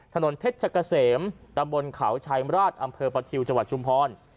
ถนนเพชรกะเสมตำบลเขาชายมราชอำเภอประชิวจังหวัดชุมพร